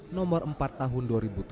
nomor empat tahun dua ribu tujuh belas